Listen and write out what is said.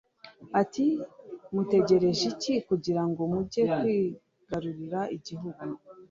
ati mutegereje iki kugira ngo mujye kwigarurira igihugu